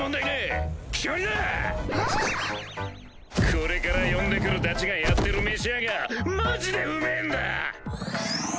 これから呼んでくるダチがやってる飯屋がマジでうめぇんだ！